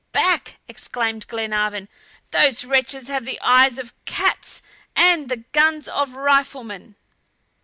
"Back," exclaimed Glenarvan; "those wretches have the eyes of cats and the guns of riflemen!"